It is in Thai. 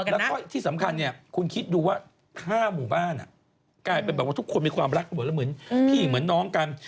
แล้วก็ที่สำคัญคุณคิดดูว่า๕หมู่บ้านทุกคนมีความรักเหมือนพี่หญิงเหมือนน้องกัน